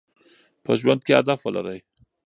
په ژوند کې هدف ولرئ.